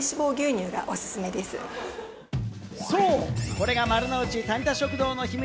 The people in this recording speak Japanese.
これが丸の内タニタ食堂の秘密